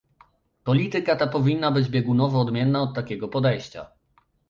Polityka ta powinna być biegunowo odmienna od takiego podejścia